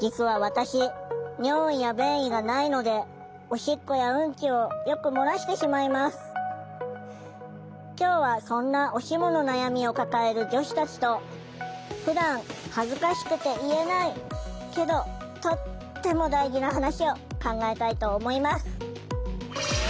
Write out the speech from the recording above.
実は私今日はそんなおシモの悩みを抱える女子たちとふだん恥ずかしくて言えないけどとっても大事な話を考えたいと思います！